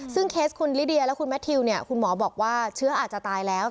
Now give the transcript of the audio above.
ซึ่งเคสคุณลิเดียและคุณแมททิวเนี่ยคุณหมอบอกว่าเชื้ออาจจะตายแล้ว